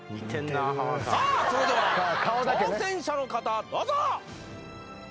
さあそれでは挑戦者の方どうぞ。